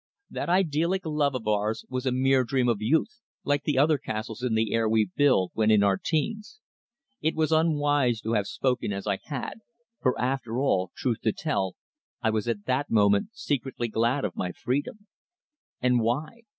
That idyllic love of ours was a mere dream of youth, like the other castles in the air we build when in our teens. It was unwise to have spoken as I had, for after all, truth to tell, I was at that moment secretly glad of my freedom. And why?